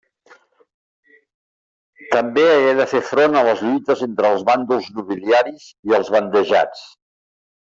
També hagué de fer front a les lluites entre els bàndols nobiliaris i als bandejats.